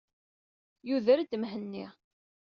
Yuder-d Mhenni.